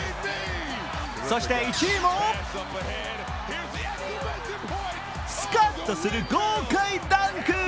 そして１位もスカッとする豪快ダンク。